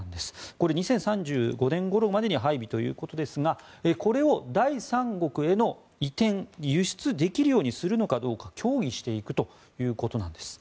これ、２０３５年ごろまでに配備ということですがこれを第三国への移転輸出できるようにするのかどうか協議していくということなんです。